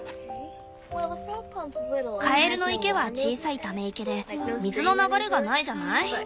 カエルの池は小さいため池で水の流れがないじゃない？